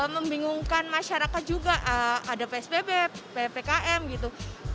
membingungkan masyarakat juga ada psbb ppkm gitu